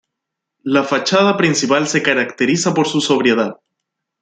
La fachada principal se caracteriza por su sobriedad.